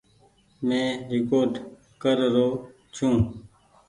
مين ريڪوڊ ڪر رو ڇون۔